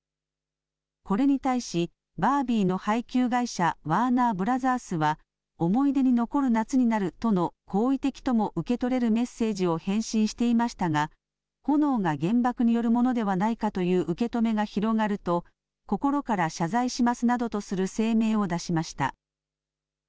これに対し、バービーの配給会社、ワーナー・ブラザースは、思い出に残る夏になるとの好意的とも受け取れるメッセージを返信していましたが、炎が原爆によるものではないかという受け止めが広がると、心から謝罪しますなどとする声明を出しました。